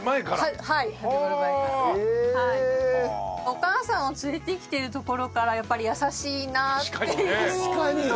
お母さんを連れてきてるところからやっぱり優しいなっていうところがありました。